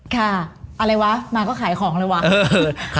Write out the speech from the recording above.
ค่ะอะไรวะมาก็ขายของเลยวะ